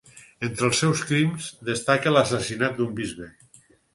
Entre els seus crims destaca l'assassinat d'un bisbe.